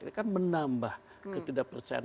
ini kan menambah ketidakpercayaan